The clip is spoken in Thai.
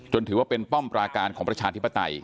ถือว่าเป็นป้อมปราการของประชาธิปไตย